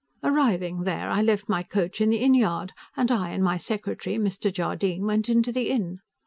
Arriving there, I left my coach in the inn yard, and I and my secretary, Mr. Jardine, went into the inn.